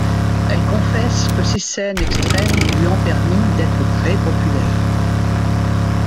Elle confesse que ces scènes extrêmes lui ont permis d'être très populaire.